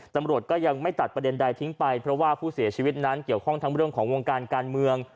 ตำรวจก็ยังไม่ตัดประเด็นใดทิ้งไปเพราะว่าผู้เสียชีวิตนั้นเกี่ยวข้องทั้งเรื่องของวงการการเมือง